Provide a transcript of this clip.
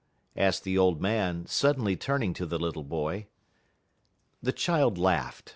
asked the old man, suddenly turning to the little boy. The child laughed.